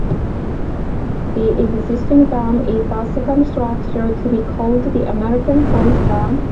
The existing dam is the second structure to be called the American Falls Dam.